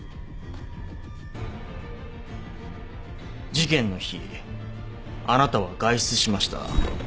事件の日あなたは外出しました。